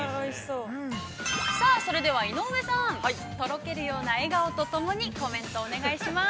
◆さあ、それでは井上さん、とろけるような笑顔とともに、コメントをお願いします。